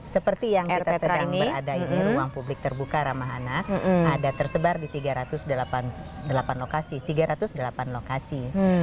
seperti yang kita sedang berada ini ruang publik terbuka ramah anak ada tersebar di tiga ratus delapan lokasi